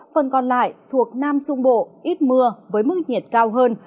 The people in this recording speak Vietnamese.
phần còn lại thuộc nam trung bộ ít mưa với mức nhiệt cao hơn